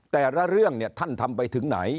แต่ละเรื่องเนี่ยท่านทำไปถึงไหน